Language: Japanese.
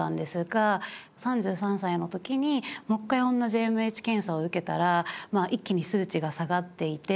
３３歳の時にもう一回同じＡＭＨ検査を受けたらまあ一気に数値が下がっていて。